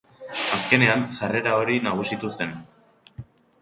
Azkenean, jarrera hori nagusitu zen.